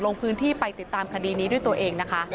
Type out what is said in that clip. ลงพื้นที่ไปติดตามคดีนี้ด้วยตัวเองนะคะ